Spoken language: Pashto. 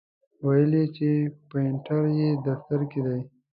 ویل یې چې پرنټر یې دفتر کې دی.